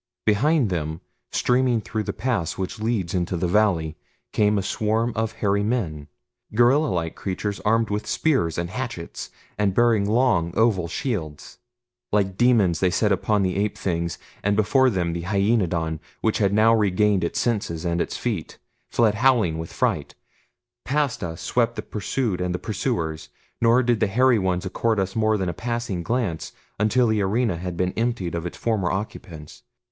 Behind them, streaming through the pass which leads into the valley, came a swarm of hairy men gorilla like creatures armed with spears and hatchets, and bearing long, oval shields. Like demons they set upon the ape things, and before them the hyaenodon, which had now regained its senses and its feet, fled howling with fright. Past us swept the pursued and the pursuers, nor did the hairy ones accord us more than a passing glance until the arena had been emptied of its former occupants.